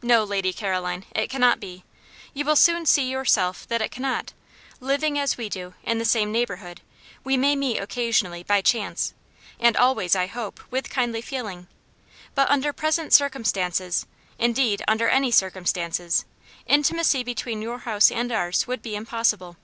"No, Lady Caroline, it cannot be. You will soon see yourself that it cannot. Living, as we do, in the same neighbourhood, we may meet occasionally by chance, and always, I hope, with kindly feeling; but, under present circumstances indeed, under any circumstances intimacy between your house and ours would be impossible."